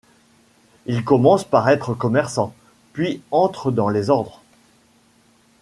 Il commence par être commerçant, puis entre dans les ordres.